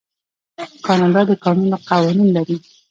کاناډا د کانونو قوانین لري.